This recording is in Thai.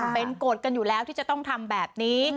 เป็นโกรธกันอยู่แล้วที่จะต้องทำแบบนี้